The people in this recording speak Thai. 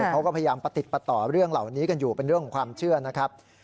เขาก็พยายามประติดประต่อเรื่องเหล่านี้กันอยู่เป็นเรื่องของความเชื่อนะครับ